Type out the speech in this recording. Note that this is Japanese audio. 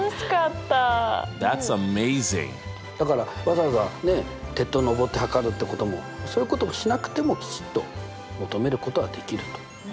だからわざわざね鉄塔上って測るってこともそういうことをしなくてもきちっと求めることはできると。